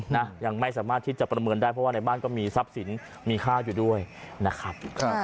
นะยังไม่สามารถที่จะประเมินได้เพราะว่าในบ้านก็มีทรัพย์สินมีค่าอยู่ด้วยนะครับ